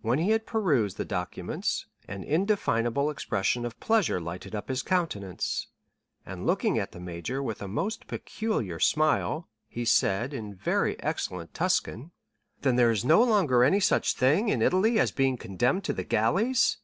When he had perused the documents, an indefinable expression of pleasure lighted up his countenance, and looking at the major with a most peculiar smile, he said, in very excellent Tuscan: "Then there is no longer any such thing, in Italy as being condemned to the galleys?"